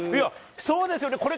そうですよね。